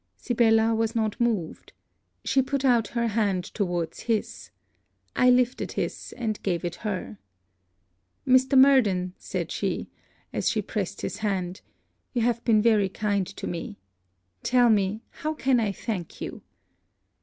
Sibella was not moved. She put out her hand towards his; I lifted his, and gave it her. 'Mr. Murden,' said she, as she pressed his hand, 'you have been very kind to me tell me how I can thank you?'